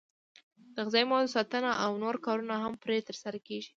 د غذایي موادو ساتنه او نور کارونه هم پرې ترسره کېږي.